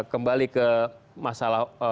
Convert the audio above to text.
kembali ke masalah